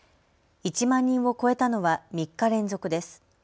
１万人を超えたのは３日連続です。